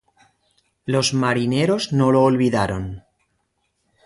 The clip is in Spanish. Los marineros no lo olvidaron.